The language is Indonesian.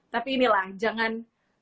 tapi inilah jangan